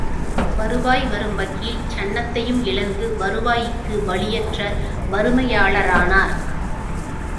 வருவாய் வரும் வக்கீல் சன்னத்தையும் இழந்து வருவாய்க்கு வழியற்ற வறுமையாளரானார்.